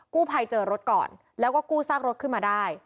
กู้ภัยเจอรถก่อนแล้วก็กู้ซากรถขึ้นมาได้